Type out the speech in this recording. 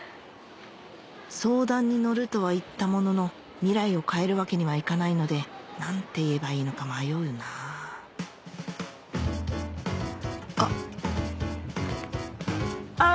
相談に乗るとは言ったものの未来を変えるわけにはいかないので何て言えばいいのか迷うなぁあっ！